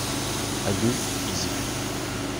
A deux, ils y furent.